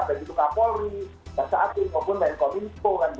begitu kapolri basa atin maupun dari nko minfo kan begitu